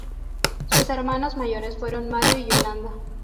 Sus hermanos mayores fueron Mario y Yolanda.